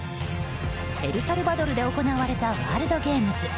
エルサルバドルで行われたワールドゲームズ。